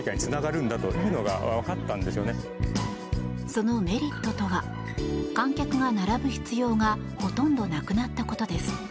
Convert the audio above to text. そのメリットとは観客が並ぶ必要がほとんどなくなったことです。